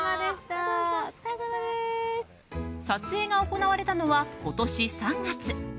撮影が行われたのは今年３月。